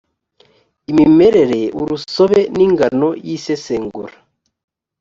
imimerere urusobe n ingano y isesengura